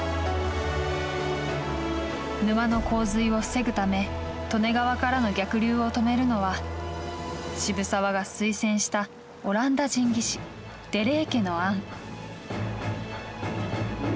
沼の洪水を防ぐため利根川からの逆流を止めるのは渋沢が推薦したオランダ人技師デ・レーケの案。